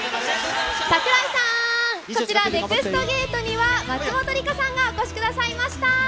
櫻井さーん、こちら、ＮＥＸＴゲートには、松本梨香さんがお越しくださいました。